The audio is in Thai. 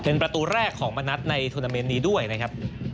เป็นประตูแรกของมณัฐในทุนาเมนต์นี้ด้วยนะครับ